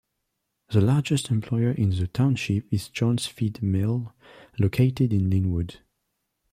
The largest employer in the township is Jones Feed Mill, located in Linwood.